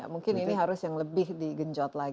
mungkin ini harus yang lebih digenjot lagi